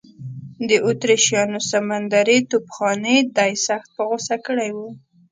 د اتریشیانو سمندري توپخانې دی سخت په غوسه کړی و.